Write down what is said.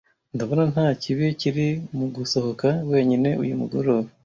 Ndabona nta kibi kiri mu gusohoka wenyine uyu mugoroba.